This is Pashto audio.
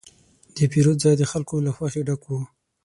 د پیرود ځای د خلکو له خوښې ډک و.